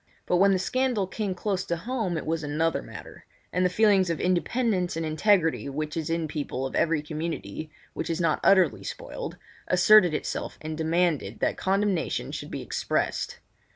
But when the scandal came close home it was another matter; and the feelings of independence and integrity which is in people of every community which is not utterly spoiled, asserted itself and demanded that condemnation should be expressed.